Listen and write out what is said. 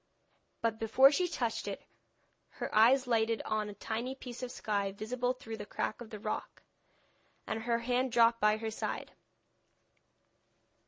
But before she touched it her eyes lighted on a tiny piece of sky visible through a crack of the rock, and her hand dropped by her side.